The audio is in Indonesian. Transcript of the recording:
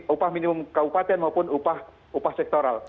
upah minimum kabupaten maupun upah sektoral